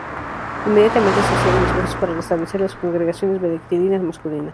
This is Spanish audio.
Inmediatamente se hicieron esfuerzos por restablecer las congregaciones benedictinas masculinas.